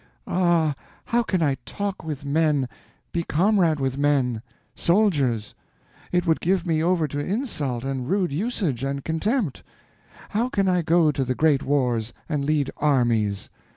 Ah, how can I talk with men, be comrade with men?—soldiers! It would give me over to insult, and rude usage, and contempt. How can I go to the great wars, and lead armies?